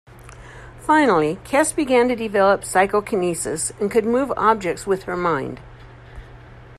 Finally, Kes began to develop psychokinesis and could move objects with her mind.